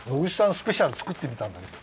スペシャル作ってみたんだけど。